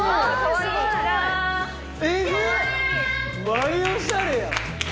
バリおしゃれやん！